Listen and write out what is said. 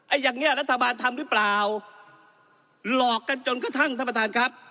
อย่างเนี้ยรัฐบาลทำหรือเปล่าหลอกกันจนกระทั่งท่านประธานครับ